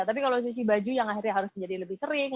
tapi kalau cuci baju yang akhirnya harus menjadi lebih sering